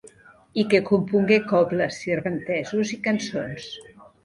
I que compongué cobles, sirventesos i cançons.